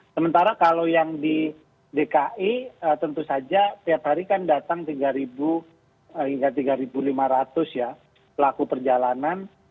sementara kalau yang di dki tentu saja tiap hari kan datang tiga hingga tiga lima ratus ya pelaku perjalanan